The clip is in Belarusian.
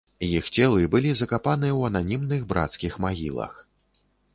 Іх целы былі закапаны ў ананімных брацкіх магілах.